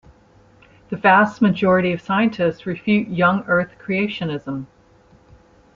The vast majority of scientists refute young Earth creationism.